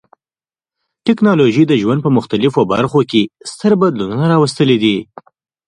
ټکنالوژي د ژوند په مختلفو برخو کې ستر بدلونونه راوستلي دي.